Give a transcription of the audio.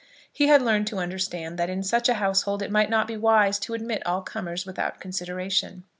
He had learned to understand that in such a household it might not be wise to admit all comers without consideration.